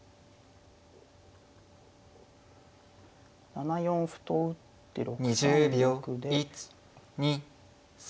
７四歩と打って６三玉で。